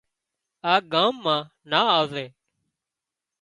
آ ڳام مان نا آوزي